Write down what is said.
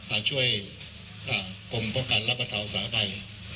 อ่าช่วยอ่ากรมประกันรับประเทศสหรับใด